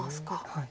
はい。